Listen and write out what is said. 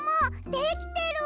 できてる！